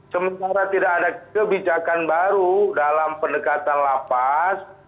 sementara tidak ada kebijakan baru dalam pendekatan lapas